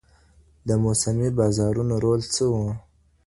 د موسمي بازارونو رول څه و؟